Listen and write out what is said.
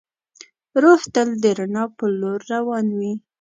روح تل د رڼا په لور روان وي.